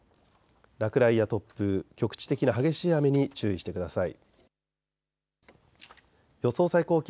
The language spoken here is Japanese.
落雷や突風、局地的な激しい雨に注意してください。